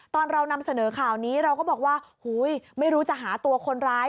ตอนเรานำเสนอข่าวนี้เราก็บอกว่าไม่รู้จะหาตัวคนร้าย